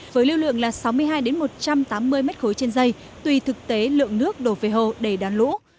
với lưu lượng là sáu mươi hai một trăm tám mươi m ba trên dây tùy thực tế lượng nước đổ về hồ để đón lũ